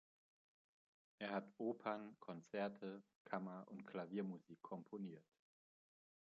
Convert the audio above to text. Er hat Opern, Konzerte, Kammer- und Klaviermusik komponiert.